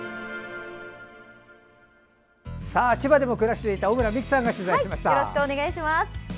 千葉でも暮らしていた小村美記さんが取材しました。